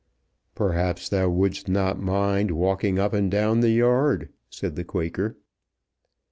"Perhaps thou wouldst not mind walking up and down the yard," said the Quaker.